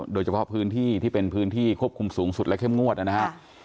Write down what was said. โดยเฉพาะพื้นที่ที่เป็นพื้นที่ควบคุมสูงสุดและเข้มงวดนะครับ